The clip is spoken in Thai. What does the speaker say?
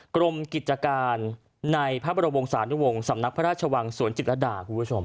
กรมกิจการในพระบริโบราณวงศาลต์ดังวงสำนักพระราชวังสวรรค์จิตรดา